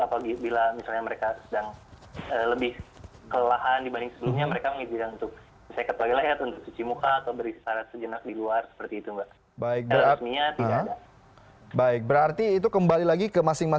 apabila misalnya mereka sedang lebih kelelahan dibanding sebelumnya mereka mengizinkan untuk misalnya kecuali leher untuk cuci muka atau beristirahat sejenak di luar seperti itu mbak